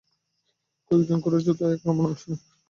কয়েজন Quraysh যোদ্ধাও এই আক্রমণে অংশ নেয়।